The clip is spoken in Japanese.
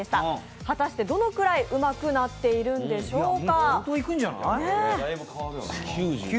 果たしてどのくらいうまくなっているんでしょうか。